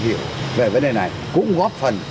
hiểu về vấn đề này cũng góp phần